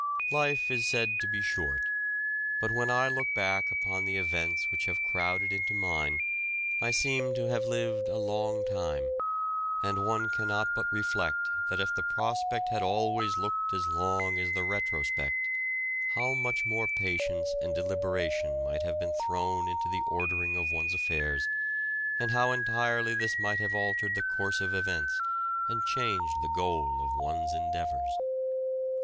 Life is said to be short, but when I look back upon the events which have crowded into mine I seem to have lived a long time, and one cannot but reflect that if the prospect had always looked as long as the retrospect, how much more patience and deliberation might have been thrown into the ordering of one's affairs, and how entirely this might have altered the course of events and changed the goal of one's endeavours.